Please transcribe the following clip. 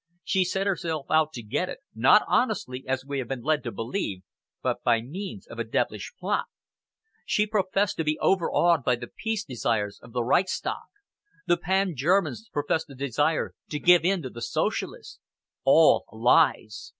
She set herself out to get it not honestly, as we have been led to believe, but by means of a devilish plot. She professed to be overawed by the peace desires of the Reichstag. The Pan Germans professed a desire to give in to the Socialists. All lies!